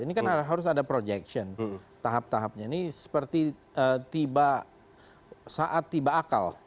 ini kan harus ada projection tahap tahapnya ini seperti tiba saat tiba akal